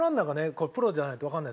これプロじゃないとわかんない。